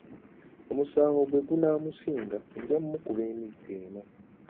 Omusango bwe gunaamusinga nja mukuba emiggo ena.